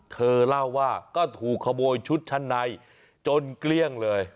เธอเล่าว่าก็ถูกขโมยชุดชั้นในจนเกลี้ยงเลย